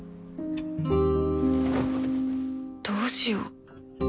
どうしよう